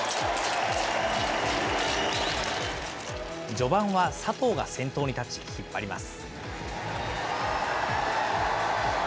序盤は佐藤が先頭に立ち、引っ張ります。